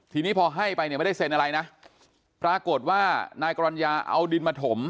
ทีนี้พอให้ไปเนี่ยไม่ได้เซ็นอะไรนะปรากฏว่านายกรรณญาเอาดินมาถม